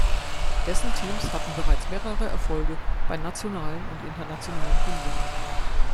Dessen Teams hatten bereits mehrere Erfolge bei nationalen und internationalen Turnieren.